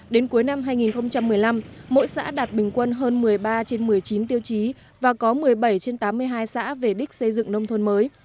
đến cuối năm hai nghìn một mươi năm mỗi xã đạt bình quân hơn một mươi ba trên một mươi chín tiêu chí và có một mươi bảy trên tám mươi hai xã về đích xây dựng nông thôn mới